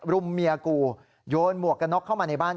มเมียกูโยนหมวกกระน็อกเข้ามาในบ้าน